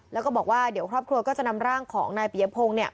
แล้วก็บอกว่าเดี๋ยวครอบครัวก็จะนำร่างของนายปียพงศ์เนี่ย